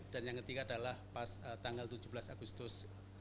dan yang ketiga adalah pas tanggal tujuh belas agustus dua ribu dua puluh dua